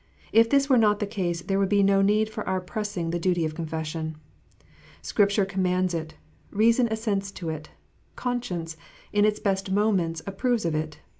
If this was not the case there would be no need for our pressing the duty of confession. Scripture commands it. Reason assents to it. Conscience, in its best moments, approves of it.